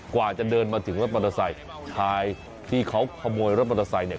กว่าจะเดินมาถึงรถมอเตอร์ไซค์ชายที่เขาขโมยรถมอเตอร์ไซค์เนี่ย